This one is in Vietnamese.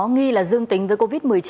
nghi là dương tính với covid một mươi chín